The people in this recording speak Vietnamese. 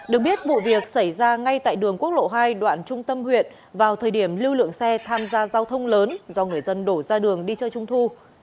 được biết vụ việc xảy ra ngay tại đường quốc lộ hai đoạn trung tâm huyện vào thời điểm lưu lượng xe tham gia giao thông lớn do người dân đổ ra đường đi chơi trung thu